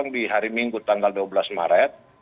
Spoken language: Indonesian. tiga belas di hari minggu tanggal dua belas maret